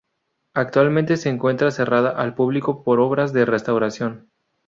Actualmente se encuentra cerrada al público por obras de restauración.